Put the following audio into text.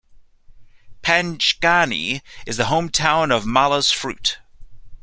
Panchgani is the hometown of Mala's Fruit.